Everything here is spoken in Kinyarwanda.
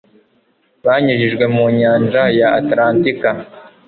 banyujijwe mu nyanja ya Atalantika